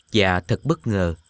dạ thật bất ngờ